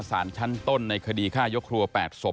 สารชั้นต้นในคดีฆ่ายกครัว๘ศพ